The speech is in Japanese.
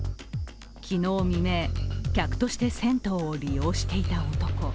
昨日未明、客として銭湯を利用していた男。